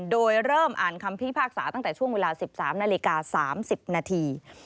โดยเริ่มอ่านคำพิพากษาตั้งแต่ช่วงเวลา๑๓นาฬิกา๓๐นาที